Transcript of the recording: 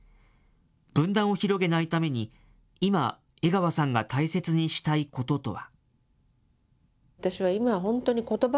分断を広げないために、今、江川さんが大切にしたいこととは。